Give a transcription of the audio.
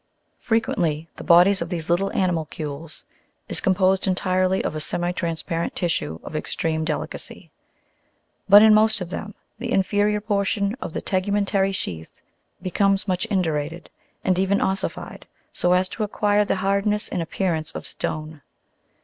17. Frequently the bodies of these little animalcules is com posed entirely of a semi transparent tissue of extreme delicacy ; but in most of them the inferior portion of the tegumentary sheath becomes much indurated, and even ossified so as to acquire the hardness and appearance of stone.